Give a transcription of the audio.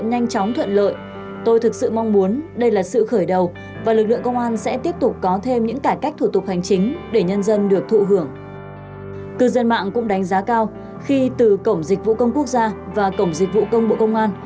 cư dân mạng cũng đánh giá cao khi từ cổng dịch vụ công quốc gia và cổng dịch vụ công bộ công an